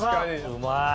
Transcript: うまい！